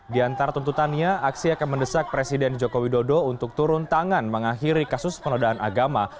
di antara tuntutannya aksi akan mendesak presiden joko widodo untuk turun tangan mengakhiri kasus penodaan agama